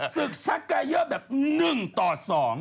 ศึกชักไก่เยอะแบบหนึ่งต่อสอง